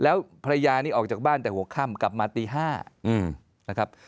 แล้วภรรยานี่ออกจากบ้านแต่หัวค่ำกลับมาตี๕นะครับ